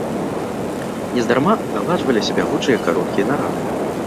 Нездарма наладжваліся бягучыя кароткія нарады.